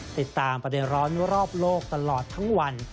ติดตามประเด็นร้อนรอบโลกตลอดทั้งวัน